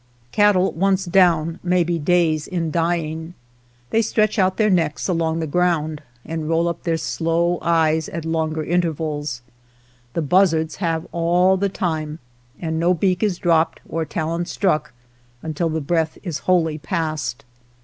Cattle once down may be days in dying. 49 ^V^ y^^ THE SCAVENGERS They stretch out their necks along the ground, and roll up their slow eyes at longer intervals. The buzzards have all the time, and no beak is dropped or talon struck un til the breath is wholly passed.